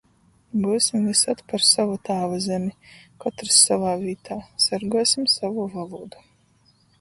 Byusim vysod par sovu Tāvu zemi, kotrs sovā vītā! Sorguosim sovu volūdu!